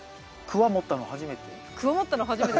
クワ持ったの初めて？